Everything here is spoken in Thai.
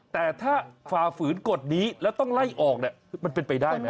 แต่ถ้าฝ่าฝืนกฎนี้แล้วต้องไล่ออกเนี่ยมันเป็นไปได้ไหม